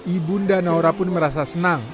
ibu nda naura pun merasa senang